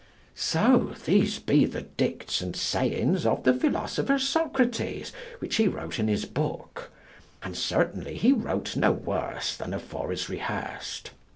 So, these be the dictes and sayings of the philosopher Socrates, which he wrote in his book; and certainly he wrote no worse than afore is rehearsed.